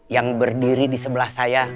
yang berdiri di sebelah saya